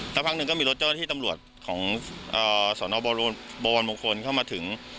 พักหนึ่งก็มีรถเจ้าหน้าที่ตำรวจของสนบวรมงคลเข้ามาถึง